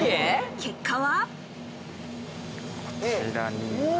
結果は。